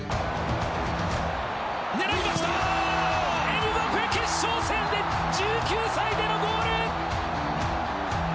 エムバペ、決勝戦で１９歳でのゴール。